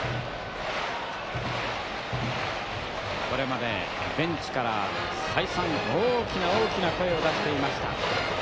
これまでベンチから再三大きな大きな声を出していました。